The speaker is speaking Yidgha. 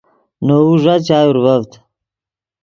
نے وؤ ݱا چائے اورڤڤد